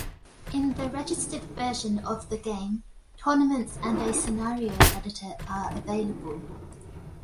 In the registered version of the game tournaments and a scenario editor are available.